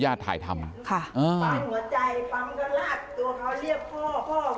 ปำมหัวใจปำมกลักตัวเขาเรียบพ่อ